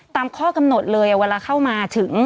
ตามข้อกำหนดเลยเวลาเข้ามาถึง